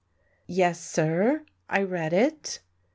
"Yes, sir, I read it."